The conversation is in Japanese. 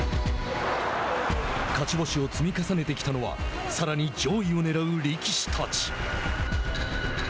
勝ち星を積み重ねてきたのはさらに上位をねらう力士たち。